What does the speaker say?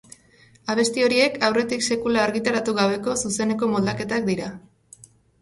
Abesti horiek aurretik sekula argitaratu gabeko zuzeneko moldaketak dira.